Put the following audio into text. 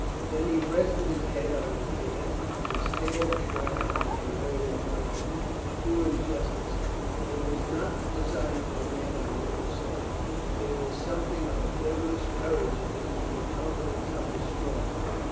Then he rested his head on his hand and stared at the ground and she heard him muttering. ... Do him justice. It was not the design for a man of little soul. There was something of devilish courage in it, and the confi dence of the strong.